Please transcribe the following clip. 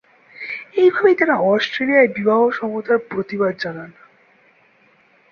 এইভাবেই তাঁরা অস্ট্রেলিয়ায় বিবাহ সমতার প্রতিবাদ জানান।